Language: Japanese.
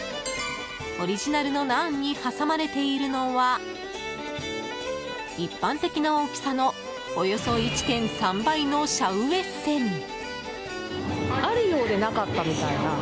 オリジナルのナンに挟まれているのは一般的な大きさのおよそ１．３倍のシャウエッセン。